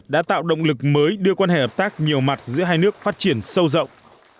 đã tạo động lực mới đưa quan hệ hợp tác nhiều mặt giữa hai nước phát triển sâu rộng